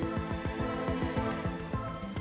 dia berada di rumah